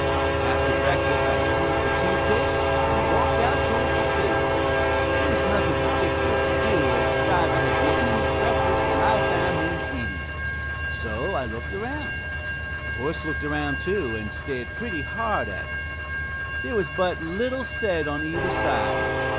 After breakfast I seized a toothpick and walked out towards the stable. There was nothing particular to do, as Stiver had given him his breakfast, and I found him eating it; so I looked around. The horse looked around, too, and stared pretty hard at me. There was but little said on either side.